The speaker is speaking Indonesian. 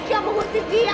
dia memetik dia ma